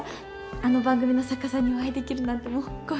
あの番組の作家さんにお会いできるなんて光栄です。